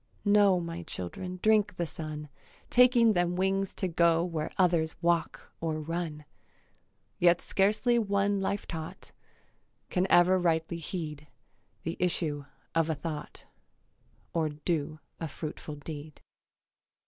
Know, My children drink the sun, Taking them wings to go Where others walk or run: Yet scarcely one life taught Can ever rightly heed The issue of a thought Or do a fruitful deed.